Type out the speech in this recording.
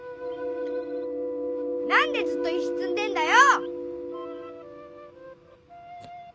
何でずっと石つんでんだよ！？